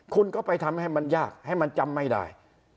คุณก็ไปทำให้มันยากให้มันจำไม่ได้